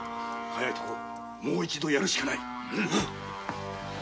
早いとこもう一度殺るしかない。